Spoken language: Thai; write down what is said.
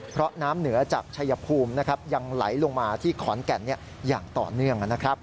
เพราะน้ำเหนือจากชายภูมิยังไหลลงมาที่ขอนแก่นอย่างต่อเนื่องนะครับ